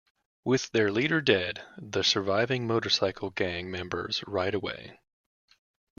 With their leader dead, the surviving motorcycle gang members ride away.